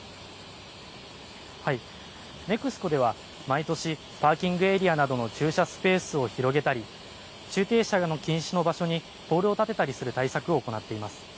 ＮＥＸＣＯでは、毎年、パーキングエリアなどの駐車スペースを広げたり、駐停車禁止の場所にポールを立てたりする対策を行っています。